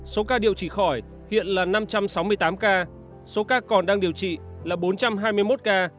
số ca điều trị khỏi hiện là năm trăm sáu mươi tám ca số ca còn đang điều trị là bốn trăm hai mươi một ca